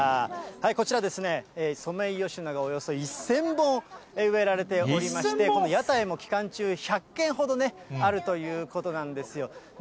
こちらですね、ソメイヨシノがおよそ１０００本植えられておりまして、この屋台も期間中、１００軒ほどね、あるということなんですよ。